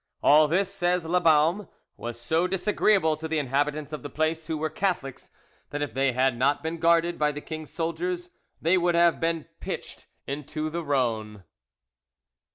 All this, says La Baume, was so disagreeable to the inhabitants of the place, who were Catholics, that if they had not been guarded by the king's soldiers they would have been pitched into the Rhone.